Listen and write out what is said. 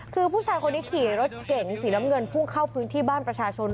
คือผู้ชายคนนี้ขี่รถเก๋งสีน้ำเงินพุ่งเข้าพื้นที่บ้านประชาชน